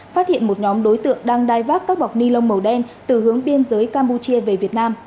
phát hiện một nhóm đối tượng đang đai vác các bọc ni lông màu đen từ hướng biên giới campuchia về việt nam